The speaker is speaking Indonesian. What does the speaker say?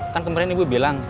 kan kemarin ibu bilang